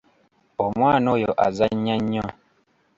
Omwana oyo azannya nnyo.